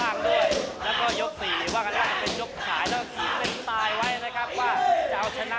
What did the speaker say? แล้วก็ยกสี่ว่าการรับเป็นยกสายแล้วก็สูงเล่นตายไว้นะครับว่าจะเอาชนะเนอะ